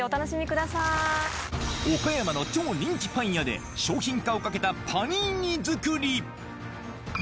岡山の超人気パン屋で、商品化をかけたパニーニ作り。